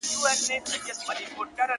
• خیال دي ـ